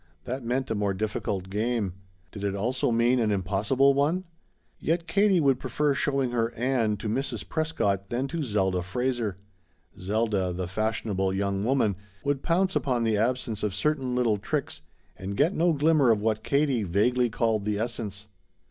That meant a more difficult game. Did it also mean an impossible one? Yet Katie would prefer showing her Ann to Mrs. Prescott than to Zelda Fraser. Zelda, the fashionable young woman, would pounce upon the absence of certain little tricks and get no glimmer of what Katie vaguely called the essence.